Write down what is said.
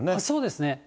そうですね。